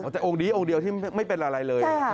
แต่องค์นี้องค์เดียวที่ไม่เป็นอะไรเลย